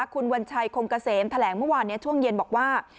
คุณวัญชัยคงเกษมแถลงเมื่อวานนี้ช่วงเย็นบอกว่า